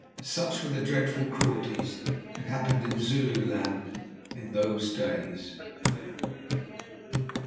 Such were the dreadful cruelties that happened in Zululand in those days.